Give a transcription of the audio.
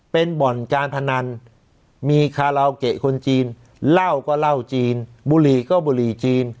เป็นบ่อนการพนันมีคาราโอเกะคนจีนเหล้าก็เหล้าจีนบุรีก็บุหรี่จีน